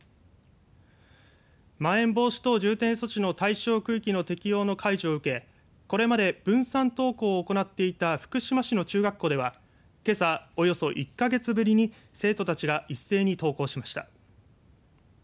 まん延防止等重点措置の対象区域の適用の解除を受けこれまで分散登校を行っていた福島市の中学校ではけさ、およそ１か月ぶりに生徒たちが一斉に登校しました。